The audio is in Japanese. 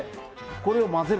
これを混ぜて。